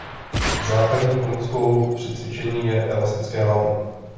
Základní pomůckou při cvičení je elastické lano.